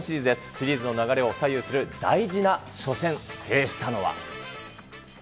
シリーズの流れを左右する大事な初戦、制したのは。